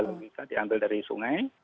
kalau bisa diambil dari sungai